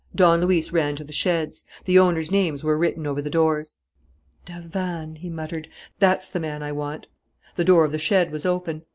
Don Luis ran to the sheds. The owners' names were written over the doors. "Davanne," he muttered. "That's the man I want." The door of the shed was open.